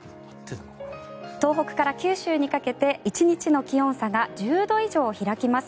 東北から九州にかけて１日の気温差が１０度以上、開きます。